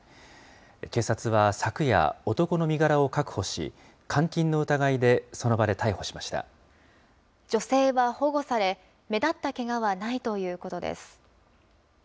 警察は昨夜、男の身柄を確保し、監禁の疑いで、その場で逮捕しま女性は保護され、目立ったけがはないということです。